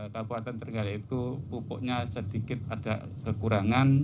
kabupaten terenggalek itu pupuknya sedikit ada kekurangan